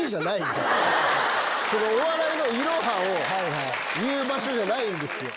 お笑いのイロハを言う場所じゃないんですよ。